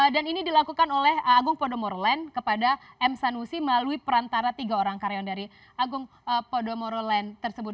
dan ini dilakukan oleh agung podomoro land kepada m sanusi melalui perantara tiga orang karyawan dari agung podomoro land tersebut